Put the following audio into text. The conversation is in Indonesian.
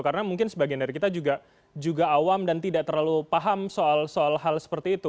karena mungkin sebagian dari kita juga awam dan tidak terlalu paham soal hal seperti itu